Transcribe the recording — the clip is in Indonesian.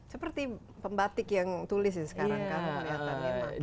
seperti pembatik yang tulis ya sekarang kamu melihatnya